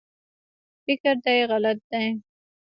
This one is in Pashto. فکر دی غلط دی